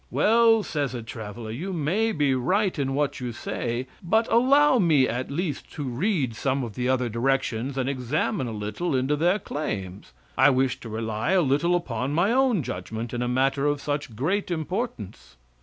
"Well," says a traveler "you may be right in what you say, but allow me at least to read some of the other directions and examine a little into their claims. I wish to rely a little upon my own judgment in a matter of such great importance."